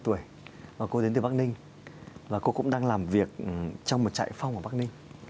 bốn mươi hai tuổi và cô đến từ bắc ninh và cô cũng đang làm việc trong một chạy phong ở bắc ninh